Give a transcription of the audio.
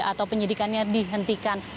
atau penyidikannya dihentikan